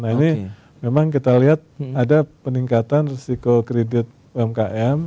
nah ini memang kita lihat ada peningkatan risiko kredit umkm